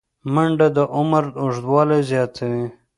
منډه د عمر اوږدوالی زیاتوي